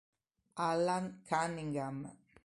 Allan Cunningham